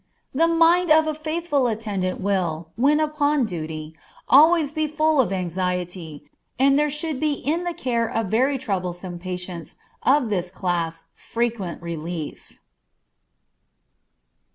The mind of a faithful attendant will, when upon duty, always be full of anxiety, and there should be in the care of very troublesome patients of this class frequent relief.